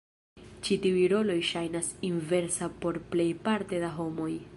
Ĉi tiuj roloj ŝajnas inversa por plejparte da homoj.